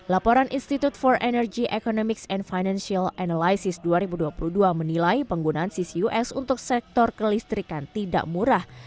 laporan institute for energy economics and financial analysis dua ribu dua puluh dua menilai penggunaan ccus untuk sektor kelistrikan tidak murah